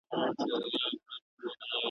ګورو به نصیب ته په توپان کي بېړۍ څه وايي `